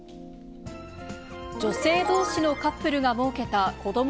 女性どうしのカップルがもうけた子ども